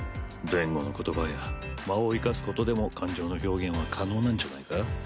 前後の言葉や間を生かすことでも感情の表現は可能なんじゃないか？